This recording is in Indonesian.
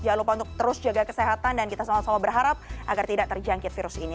jangan lupa untuk terus jaga kesehatan dan kita sama sama berharap agar tidak terjangkit virus ini